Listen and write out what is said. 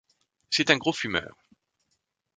C'est un gros fumeur.